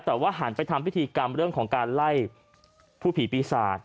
แต่ว่าหันไปทำพิธีกรรมเรื่องของการไล่ผู้ผีปีศาจ